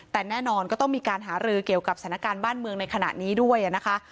แต่แน่นอนก็ต้องมีการหารือเกี่ยวกับสถานการณ์บ้านเมืองในขณะนี้ด้วยนะคะ